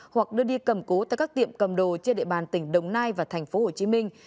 hoặc đưa đi cầm cố tại các tiệm cầm đồ trên địa bàn tỉnh đồng nai và thành phố hồ chí minh